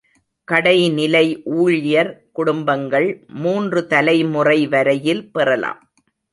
கடைநிலை ஊழியர் குடும்பங்கள் மூன்று தலைமுறை வரையில் பெறலாம்.